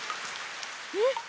えっ？